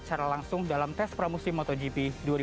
secara langsung dalam tes pramusim motogp dua ribu dua puluh